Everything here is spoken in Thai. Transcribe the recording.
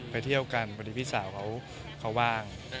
ไปเที่ยวกันพอดีพี่สาวเขาว่าง